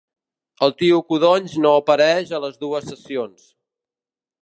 El tio Codonys no apareix a les dues sessions.